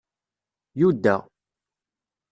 Yuda